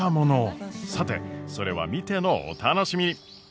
さてそれは見てのお楽しみ。